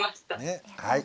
はい。